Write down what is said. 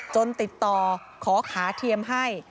ติดต่อขอขาเทียมให้